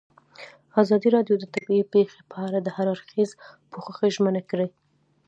ازادي راډیو د طبیعي پېښې په اړه د هر اړخیز پوښښ ژمنه کړې.